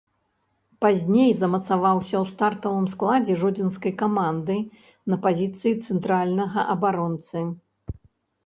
Пазней замацаваўся ў стартавым складзе жодзінскай каманды на пазіцыі цэнтральнага абаронцы.